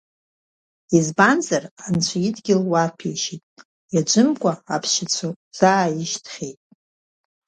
Избанзар Анцәа идгьыл уаҭәеишьеит, иаӡәымкәа аԥшьацәа узааишьҭхьеит.